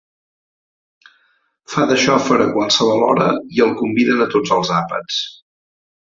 Fa de xofer a qualsevol hora i el conviden a tots els àpats.